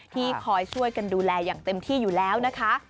ที่คอยช่วยกันดูแลอย่างเต็มที่อยู่แล้วนะคะ